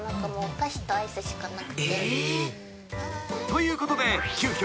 ［ということで急きょ